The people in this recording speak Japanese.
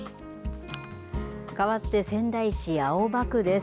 かわって仙台市青葉区です。